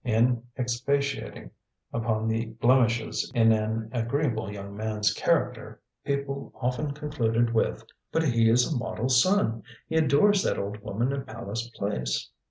In expatiating upon the blemishes in an agreeable young man's character, people often concluded with: "But he is a model son. He adores that old woman in Palace Place."